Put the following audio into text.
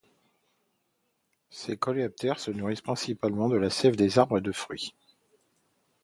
Ces coléoptères se nourrissent principalement de la sève des arbres et de fruits.